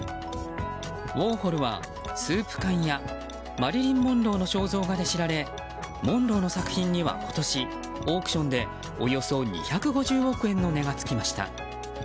ウォーホルはスープ缶やマリリン・モンローの肖像画で知られモンローの作品には今年オークションでおよそ２５０億円の値がつきました。